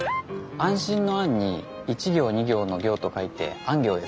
安心の「安」に一行二行の「行」と書いて「安行」です。